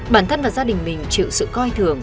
bản thân và gia đình mình chịu sự coi thường